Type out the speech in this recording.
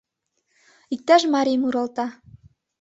— Иктаж марий муралта